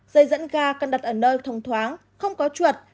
dây dẫn ga cần đặt ở nơi thông thoáng không có chuột